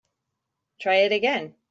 Try it again.